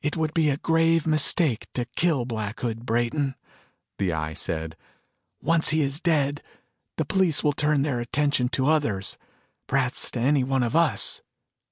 "It would be a grave mistake to kill Black Hood, Brayton," the Eye said. "Once he is dead, the police will turn their attention to others perhaps to any one of us.